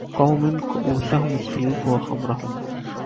قوم كئوسهم السيوف وخمرهم